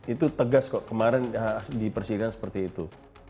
itu tegas kok kemarin di persidangan seperti itu